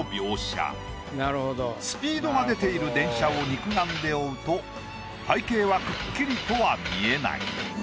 スピードが出ている電車を肉眼で追うと背景はくっきりとは見えない。